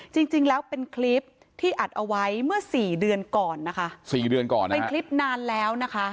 จริงแล้วเป็นคลิปที่อัดเอาไว้เมื่อสี่เดือนก่อนนะคะเป็นคลิปนานแล้วนะคะ